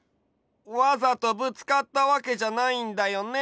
わざとぶつかったわけじゃないんだよね？